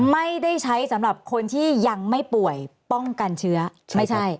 ไม่ได้ใช้สำหรับคนที่ยังไม่ป่วยป้องกันเชื้อไม่ใช่